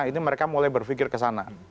ini mereka mulai berpikir kesana